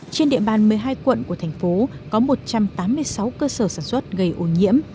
trên địa bàn một mươi hai quận của thành phố có một trăm tám mươi sáu cơ sở sản xuất gây ô nhiễm